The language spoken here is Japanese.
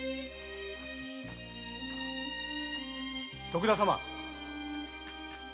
・徳田様